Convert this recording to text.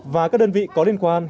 và các đơn vị có liên quan